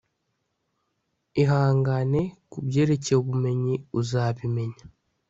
ihangane kubyerekeye ubumenyi uzabimenya